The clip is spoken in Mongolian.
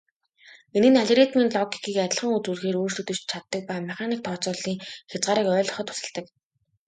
Энэ нь алгоритмын логикийг адилхан үзүүлэхээр өөрчлөгдөж чаддаг ба механик тооцооллын хязгаарыг ойлгоход тусалдаг.